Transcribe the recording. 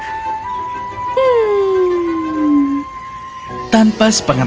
tanpa sepengetahuan mariana menemukan sayapnya